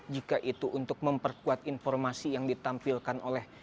jika itu untuk memperkuat informasi yang ditampilkan oleh